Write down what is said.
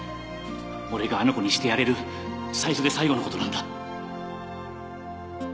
俺があの子にしてやれる最初で最後のことなんだ